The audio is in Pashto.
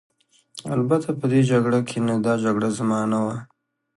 البته په دې جګړه کې نه، دا جګړه زما نه وه.